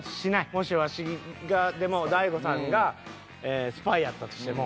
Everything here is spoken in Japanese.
もしワシがでもＤＡＩＧＯさんがスパイやったとしても。